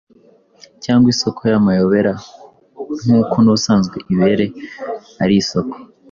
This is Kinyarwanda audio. cyangwa isoko y’amayobera nk’uko n’ubusanzwe ibere ari isoko